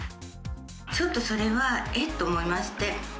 ちょっとそれはえっ！と思いまして。